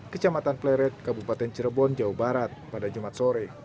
kecamatan pleret kabupaten cirebon jawa barat pada jumat sore